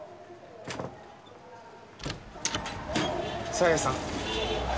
紗絵さん。